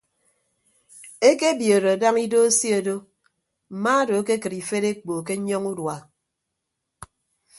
Ekebiodo daña ido eseedo mma odo akekịd ifed ekpo ke nnyọñọ udua.